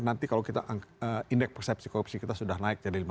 nanti kalau kita indeks persepsi korupsi kita sudah naik jadi lima puluh